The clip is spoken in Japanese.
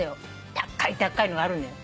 高い高いのがあるのよ。